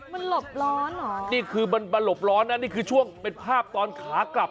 มันหลบร้อนเหรอนี่คือมันมาหลบร้อนนะนี่คือช่วงเป็นภาพตอนขากลับ